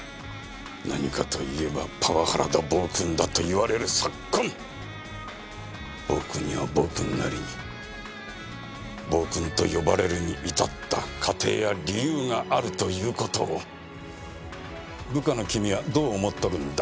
何かといえばパワハラだ暴君だと言われる昨今暴君には暴君なりに暴君と呼ばれるに至った過程や理由があるという事を部下の君はどう思っとるんだ？